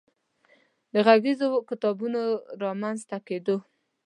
د غږیزو کتابونو رامنځ ته کېدو